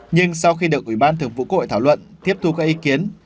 nhưng sau khi được ủy ban thường vụ quốc hội thảo luận tiếp thu các ý kiến